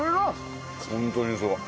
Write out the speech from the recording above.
ホントにそう。